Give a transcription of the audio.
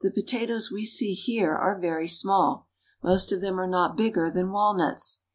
The potatoes we see here are very small. Most of them are not bigger than walnuts.